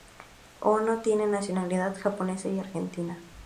Ohno tiene nacionalidad japonesa y argentina.